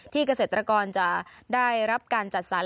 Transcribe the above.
เกษตรกรจะได้รับการจัดสรร